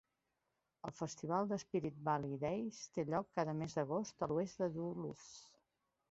El festival de Spirit Valley Days té lloc cada mes d'agost a l'oest de Duluth.